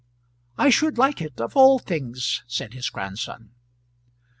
"I should like it of all things," said his grandson.